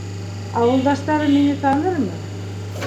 Ауылдаштарым мине танырмы?